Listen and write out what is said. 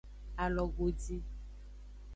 Alogodi.